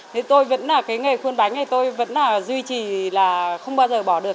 thế tôi vẫn là cái nghề khuôn bánh này tôi vẫn là duy trì là không bao giờ bỏ được